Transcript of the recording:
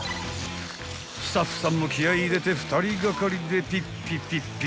［スタッフさんも気合入れて２人がかりでピッピピッピ］